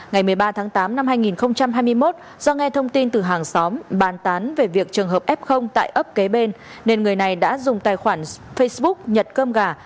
ngày một mươi ba tháng tám năm hai nghìn hai mươi một do nghe thông tin từ hàng xóm bàn tán về việc trường hợp f tại ấp kế bên nên người này đã dùng tài khoản facebook nhạt cơm gà